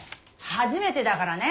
初めてだからね。